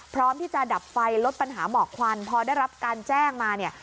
พร้อมที่จะดับไฟลดปัญหาหมอกควันพอได้รับการแจ้งมาเนี่ย